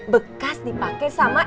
bekas dipakai sama